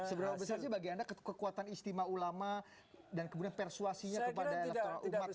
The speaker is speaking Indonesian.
seberapa besar sih bagi anda kekuatan istimewa ulama dan kemudian persuasinya kepada elektoral umat islam